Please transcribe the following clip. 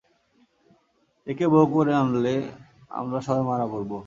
একে বৌ করে আনলে আমরা সবাই মারা পড়ব।